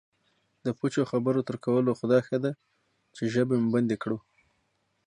د پوچو خبرو تر کولو خو دا ښه دی چې ژبه مو بندي کړو